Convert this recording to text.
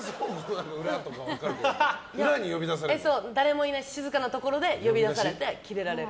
誰もいない静かなところで呼び出されてキレられる。